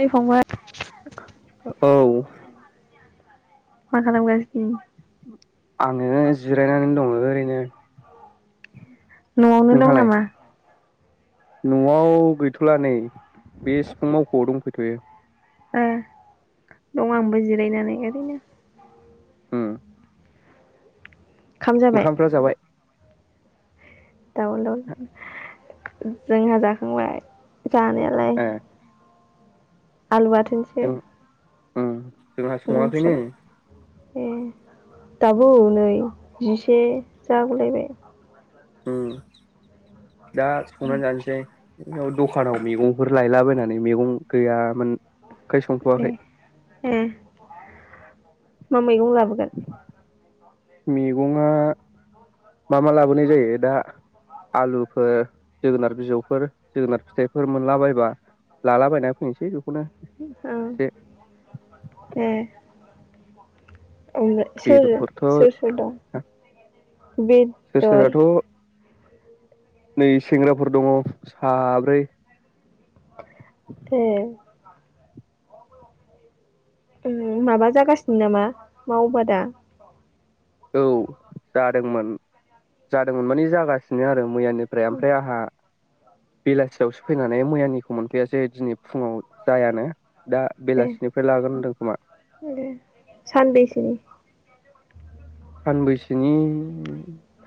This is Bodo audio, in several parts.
ओइ फंबाय औ मा खालाम गास आङो जिरायनानै दङो। रैनो न'आवनो दं नामा? न'आव गैथ'ला नै बे सिफुं मावख'आव दंफैथ'यो। ओ दं आंबो जिरायनानै ओरैनो। उम ओंखाम जाबाय ओंखामफ्रा जाबाय। [unintelligible] जोंहा जाखांबाय। जानायालाय ए आलु बाथोनसो जों उम जोंहा सङाखैनो। नोंस्रालाय ए दाबो नै जिसे जागुलायबाय। उम दा संना जानोसै। ओ दखानाव मैगंफोर लायलाबायनानै मैगं गैयामोन। ओंखाय ए संथ'वाखै। ए माम मैगं लाबोगोन? मैगंआ मा मा लाबोनाय जायो दा आलुफोर जोगोनार बिजौफोर जोगोनार फिथाइफोर मोनला बायबा लालाबायना फैनोसै बेखौ औ ए ओमबाय सोरो सोर बेदरफोरथ' सोर दं सोर बेदर सोराथ' नै सेंग्राफोर दङ साब्रै ए माबा जागासिनो नामा मावबा दा औ जादोंमोन जादोंमोन माने जागासिनो आरो मैयानिफ्राय ओमफ्राय आंहा बेलासियावसो फैनानै मैयानिखौ मोनफैया दिनै फुङाव जायानो दा दे बेलासिनिफ्राय लागोन होनदों खोमा दे सानबेसेनि सानबैसोनि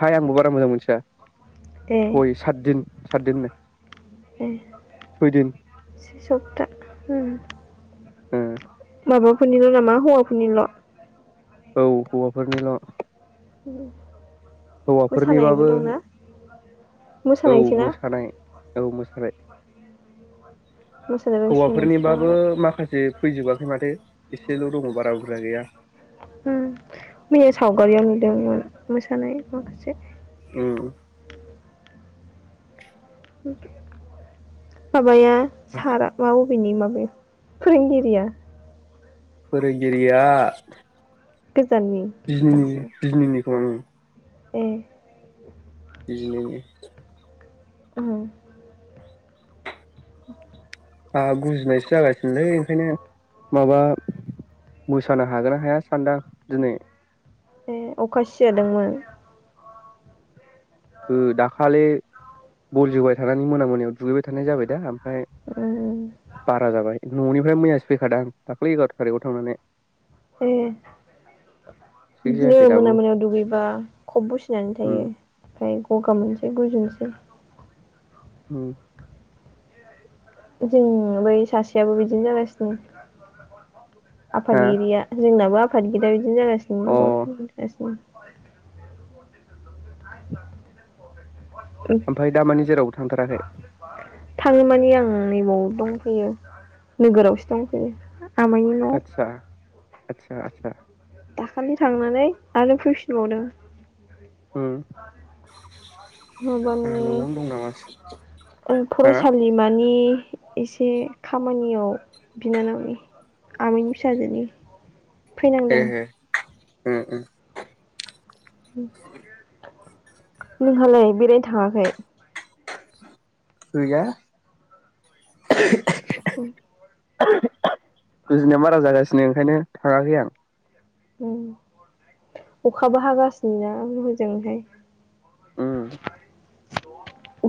थाय आंबो बारा मोजां मोनथिया ए सय सात दिन साददिननो ए से सबता ओम हो माबाफोरनिल' नामा हौवाफोरनिल' औ हौवाफोरनिल' उम हौवाफोरनिबाबो औ मोसानायसोना मोसानाय। औ मोसानाय। मोसानो रोंसिगोन नोंसोरा हौवाफोरनिबाबो मालाय माखासे फैजोबाखै माथो एसेल' दङ बारा बुरजा गैया। उम मैया सावगारियाव नुदोंमोन मोसानाय माखासे। उम [inaudible] माया साराबाव बिनि माबे फोरोंगिरिया फोरोंगिरिया गोजाननि बिजनिनि खाथिनि बिजनिनि। [unintelligible] ए बिजनिनि। उम। [inaudible] आंहा गुजुनायसो जागासिनोले ओंखायनो माबा मोसानो हागोन ना हाया सानदां दिनै। ए अखा सि जादोंमोन। ओ दाखालि बल जोबाय थानानै मोना मोनायाव दुगैबाय थानाय जाबाय दा ओमफ्राय उम बारा जाबाय न'नि ओमफ्राय मैयासो फैखादों आ दाख्लै एगार' थारिखाव थांनानै। ए थिग बिदिनो जायाखै दाबो मोना मोनायाव दुगैबा खब बुसिनानै उम थायो ओमफ्राय गगा मोनसै गुजुनोसै। उम। जों बै सासेयाबो बिदिनो जागासिनो। हा आफादगिरिया जोंनाबो आफ फादगिरि बिदिनो जागासिनो अ दं बाव जागासिनो [inaudible] ओमफफ्राय दा मानानि जेरावबो थांथाराखै थाङो माने आं नैबाव दंफैयो नोगोरावसो दंफैयो। आामायनि न'आव। आतसा आतसा। दाखालि थांनानै आरो फैफिनबावदों। उम आंहा [inaudible] माबानि न'आवनो दं नामासो हा फरायसालिमानि एसे खामानियाव बिनानावनि आमैनि फिसाजोनि फैनांदों ए उम उम [inaudible] नोंहालाय बेरायनो थाङाखै गैया उ गुजुनाया बारा जागासिनो ओंखायनो थाङाखै आं उम अखाबो हागासिनोना हजोंहाय उम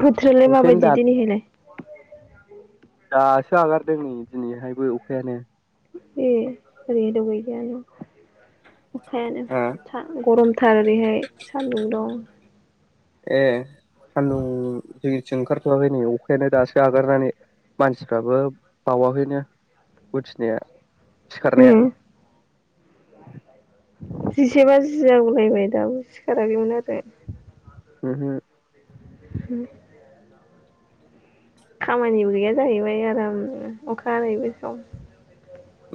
बोथोरोलाय अखायानो दा माबायदि दिनैहायलाय दासो हगारदों नै दिनैहायबो अखायानो ए एरै द गयगानो हा अखायानोथा गरम थार ओरैहाय सान्दुं दं ए सान्दुं जथिं ओंखारथ आखै नै अखायानो दासो आगारनानै मानसिफ्राबो बावाखैनो उथिनाया सिखारनाया उम जिसे बाजि जागौलायबाय दाबो सिखाराखैमोन आरो उम हम हम खामानिबो गैया जाहैबाय आरामनो अखा हानायबो सम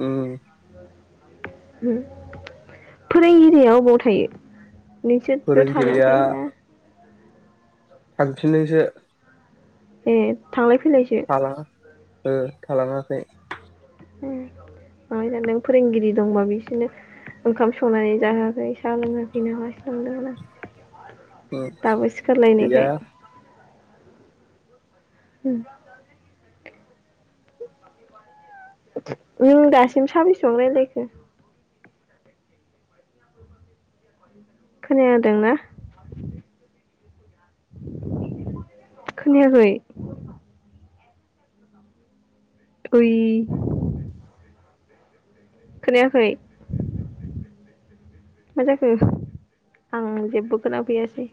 उम [inaudible] फोरोंगिरिया अबाव थायो? नोंसोर बेव थानायाव फोरोंगिरिया थायोना थांफिनोसो ए थांलाय फैलायसो थालाङा ओ थालाङाखै उम माबा जादों फोरोंगिरि दंबा बिसोरनो ओंखाम संनानै जाहोआखै साहा लोंङाखै न लाय स लोंदों उम आं दबो गैया सिखारलायनायखाय उ [inaudible] नों दासिम साबैसेबां रायलायखो? खोनायादोंना [inaudible] खोनायाखै? गय खोनायाखै मा जाखो आं जेबो खोनाफैयासै